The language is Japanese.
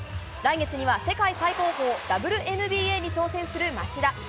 来月には世界最高峰、ＷＮＢＡに挑戦する町田。